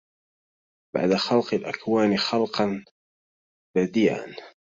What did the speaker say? بعد خلق الأكوان خلقا بديعا